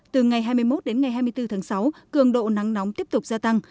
từ ngày hai mươi một đến ngày hai mươi bốn tháng sáu cường độ nắng nóng tiếp tục gia tăng